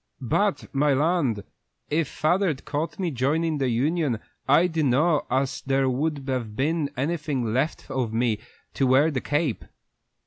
"But, my land! if father'd caught me joinin' the union I dun'no' as there would have been anything left of me to wear the cape."